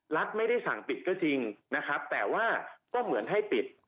รัฐไม่ได้สั่งปิดก็จริงนะครับแต่ว่าก็เหมือนให้ปิด